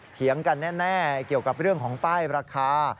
เถียงกันแน่เกี่ยวกับเรื่องของป้ายราคา